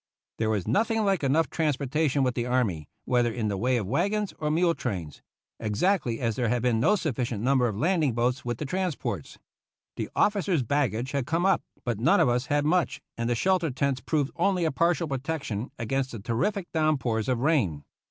There was nothing like enough transportation with the army, whether in the way of wagons or mule trains; exactly as there had been no suffi cient number of landing boats with the transports. The officers' baggage had come up, but none of us had much, and the shelter tents proved only a partial protection against the terrific downpours of rain.